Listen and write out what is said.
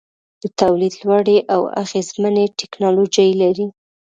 د تولید لوړې او اغیزمنې ټیکنالوجۍ لري.